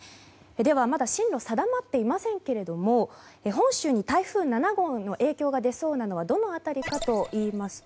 まだ進路が定まっていませんけれども本州に台風７号の影響が出そうなのはどの辺りかといいますと